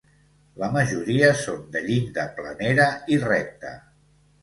La majoria són de llinda planera i recta.